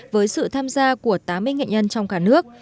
với sự tham gia của tám mươi nghệ nhân trong cả nước